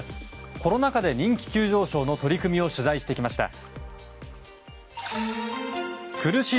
コロナ禍で人気急上昇の取り組みを取材してきました。